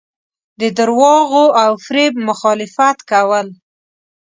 د درواغو او فریب مخالفت کول.